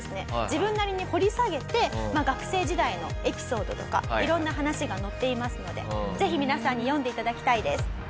自分なりに掘り下げて学生時代のエピソードとかいろんな話が載っていますのでぜひ皆さんに読んでいただきたいです。